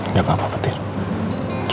iya kenapa nak